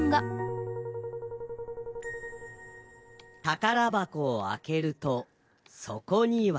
「たからばこをあけると、そこには」。